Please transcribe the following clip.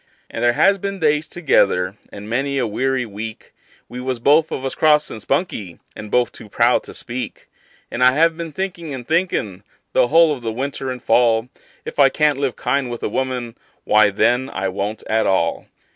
And there has been days together and many a weary week We was both of us cross and spunky, and both too proud to speak; And I have been thinkin' and thinkin', the whole of the winter and fall, If I can't live kind with a woman, why, then, I won't at all.